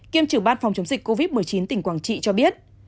kiêm trưởng ban phòng chống dịch covid một mươi chín tỉnh quảng trị cho biết